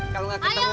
kalo gak ketemu